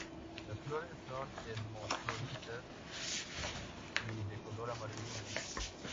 Las flores son hermafroditas y de color amarillo blanquecino.